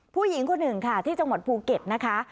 ผู้หญิงคนหนึ่งค่ะที่จังหวัดภูเก็ตนะคะ